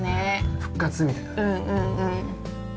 復活みたいな。